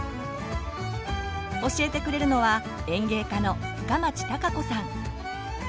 教えてくれるのは園芸家の深町貴子さん。